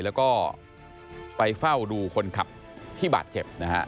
แล้วก็ไปเฝ้าดูคนขับที่บาดเจ็บนะฮะ